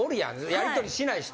やり取りしない人。